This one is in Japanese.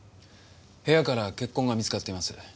部屋から血痕が見つかっています。